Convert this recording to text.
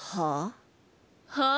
はあ？